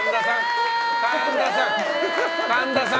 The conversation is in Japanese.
神田さん！